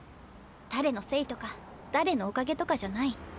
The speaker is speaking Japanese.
誰のせいとか誰のおかげとかじゃない。